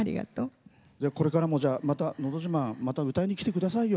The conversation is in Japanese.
これからも「のど自慢」また歌いに来てくださいよ。